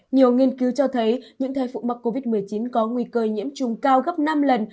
nhiều nghiên cứu cho thấy những thai phụ mắc covid một mươi chín có nguy cơ nhiễm trùng cao gấp năm lần